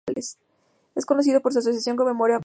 Es conocido por su asociación con memoria doble.